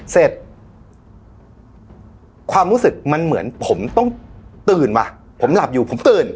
เสร็จความรู้สึกมันเหมือนผมต้องตื่นว่ะผมหลับอยู่ผมตื่น